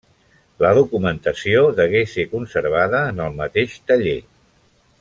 La documentació degué ser conservada en el mateix taller.